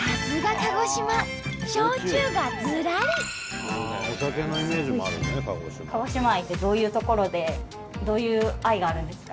鹿児島愛ってどういうところでどういう愛があるんですか？